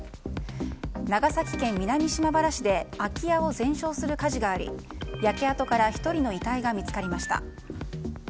長崎県南島原市で空き家を全焼する火事があり焼け跡から１人の遺体が見つかりました。